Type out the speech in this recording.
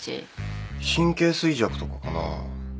神経衰弱とかかな。